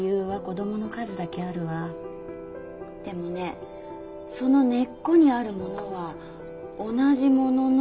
でもねその根っこにあるものは同じものの気がする。